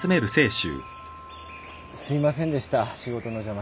すいませんでした仕事の邪魔して。